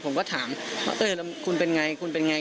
ผมก็ถามคุณเป็นไงคุณเป็นไง